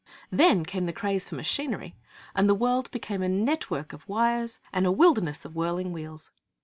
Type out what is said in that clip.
Then came the craze for machinery, and the world became a network of wires and a wilderness of whirling wheels.